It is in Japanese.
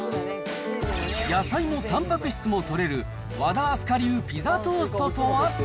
野菜もたんぱく質もとれる、和田明日香流ピザトーストとは。